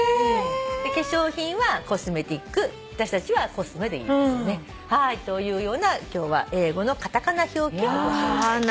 「化粧品」は「コスメティック」私たちは「コスメ」で言いますよね。というような今日は英語のカタカナ表記をご紹介しました。